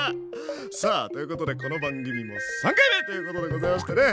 さあということでこの番組も３回目ということでございましてね